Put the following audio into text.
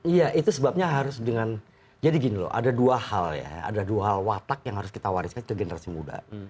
iya itu sebabnya harus dengan jadi gini loh ada dua hal ya ada dua hal watak yang harus kita wariskan ke generasi muda